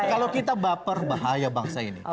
kalau kita baper bahaya bangsa ini